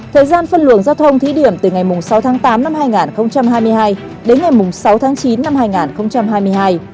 thời gian phân luồng giao thông thí điểm từ ngày sáu tháng tám năm hai nghìn hai mươi hai đến ngày sáu tháng chín năm hai nghìn hai mươi hai